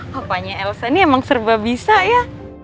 papanya elsa ini emang serba bisa ya